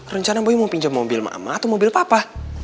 rencana bayi mau pinjam mobil mama atau mobil papa